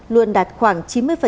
luôn đạt khoảng chín mươi